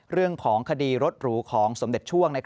เรื่องของคดีรถหรูของสมเด็จช่วง